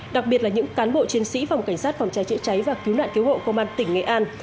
đặc biệt là những cán bộ chiến sĩ phòng cảnh sát phòng cháy chữa cháy và cứu nạn cứu hộ công an tỉnh nghệ an